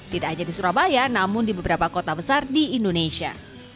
tidak hanya di surabaya namun di beberapa kota besar di indonesia